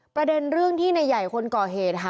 ประเด็นเรื่องที่ในใหญ่คนก่อเหตุค่ะ